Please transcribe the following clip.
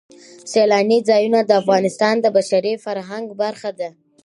سیلانی ځایونه د افغانستان د بشري فرهنګ برخه ده.